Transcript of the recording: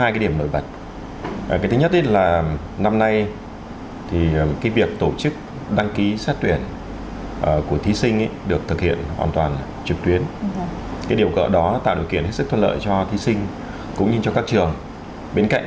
cái điểm nổi bật mà có thể nói là điểm lớn nhất trong quy chế lần này là bảo đảm cái tính công bằng